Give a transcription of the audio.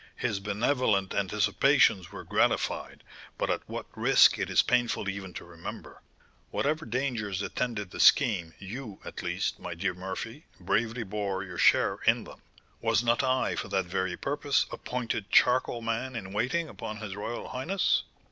His benevolent anticipations were gratified, but at what risk it is painful even to remember." "Whatever dangers attended the scheme, you, at least, my dear Murphy, bravely bore your share in them." "Was not I, for that very purpose, appointed charcoal man in waiting upon his royal highness?"